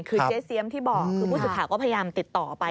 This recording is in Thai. คือเจ๊เซียมที่บอกคือผู้สื่อข่าวก็พยายามติดต่อไป